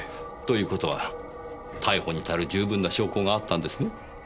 ということは逮捕に足る十分な証拠があったんですね？